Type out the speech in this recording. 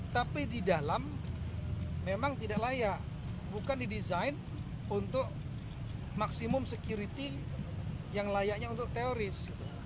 tapi di dalam memang tidak layak bukan didesain untuk maksimum security yang layaknya untuk teoris